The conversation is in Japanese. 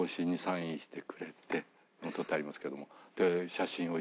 取ってありますけども。